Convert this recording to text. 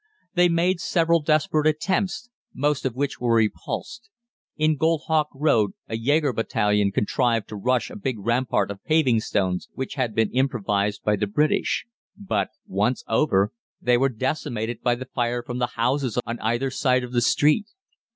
They made several desperate assaults, most of which were repulsed. In Goldhawk Road a Jäegar battalion contrived to rush a big rampart of paving stones which had been improvised by the British; but, once over, they were decimated by the fire from the houses on either side of the street.